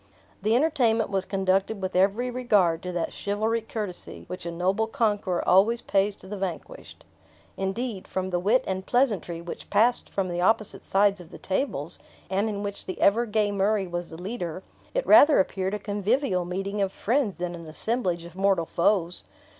The entertainment was conducted with every regard to that chivalric courtesy which a noble conqueror always pays to the vanquished. Indeed, from the wit and pleasantry which passed from the opposite sides of the tables, and in which the ever gay Murray was the leader, it rather appeared a convivial meeting of friends than an assemblage of mortal foes.